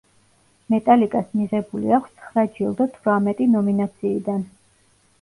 მეტალიკას მიღებული აქვს ცხრა ჯილდო თვრამეტი ნომინაციიდან.